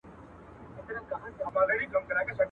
اوړه ئې د مېچني، زامن ئې د چنچڼي.